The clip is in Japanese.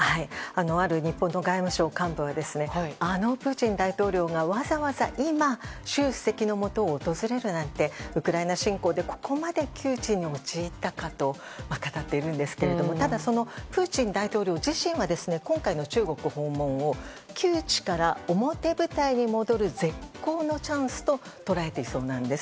ある日本の外務省幹部はあのプーチン大統領がわざわざ今習主席のもとを訪れるなんてウクライナ侵攻でここまで窮地に陥ったかと語っているんですがただ、そのプーチン大統領自身は今回の中国訪問を窮地から表舞台に戻る絶好のチャンスと捉えているそうなんです。